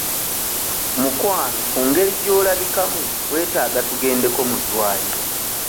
Mukwano ku ngeri gy'olabikamu weetaaga tugendeko mu ddwaliro.